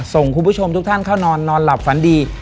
ส่งคุณผู้ชมทุกท่านเข้านอนนอนหลับฝันดี